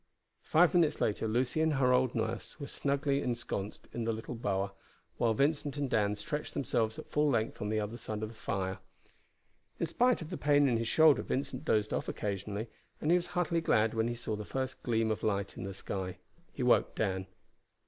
Five minutes later Lucy and her old nurse were snugly ensconced in their little bower, while Vincent and Dan stretched themselves at full length on the other side of the fire. In spite of the pain in his shoulder Vincent dozed off occasionally, but he was heartily glad when he saw the first gleam of light in the sky. He woke Dan.